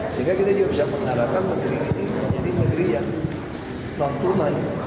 sehingga kita juga bisa mengharapkan negeri ini menjadi negeri yang non tunai